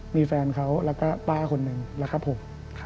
มีแฟนเขาแล้วก็ป้าคนนึงแล้วก็ผม